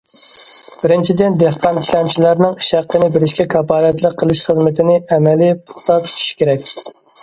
بىرىنچىدىن، دېھقان ئىشلەمچىلەرنىڭ ئىش ھەققىنى بېرىشكە كاپالەتلىك قىلىش خىزمىتىنى ئەمەلىي، پۇختا تۇتۇش كېرەك.